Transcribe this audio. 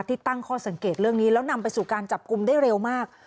ตั้งข้อสังเกตเรื่องนี้แล้วนำไปสู่การจับกลุ่มได้เร็วมาก